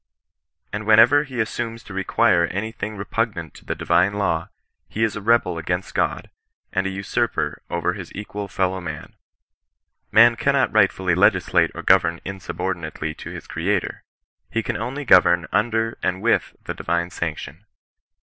And whenever he as sumes to require any thing repugnant to the divine law, he is a rebel] against God, and a usurper over his co equal fellow man. Man cannot rightfully legislate or govern inrsubordinatel^ to his Creator, lie can only govern under and with the divine sanction.